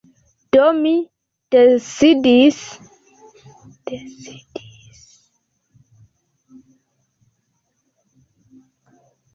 Do, mi decidis neniam plu malsani.